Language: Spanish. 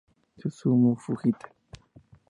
Susumu Fujita